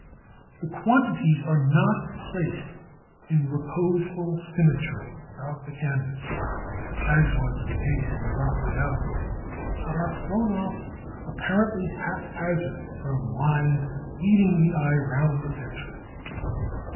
The quantities are not placed in reposeful symmetry about the canvas, as was the case in the Raphael, but are thrown off apparently haphazard from lines leading the eye round the picture.